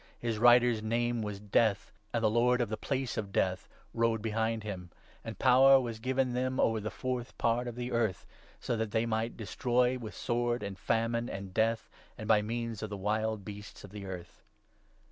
His rider's name was Death, and the Lord of the Place of Death rode behind him ; and power was given them over the fourth part of the earth, so that they might ' destroy with sword and famine and death, and by means of the wild beasts of the earth.'